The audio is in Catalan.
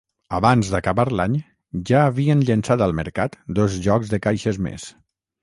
Abans d’acabar l’any, ja havien llençat al mercat dos jocs de caixes més.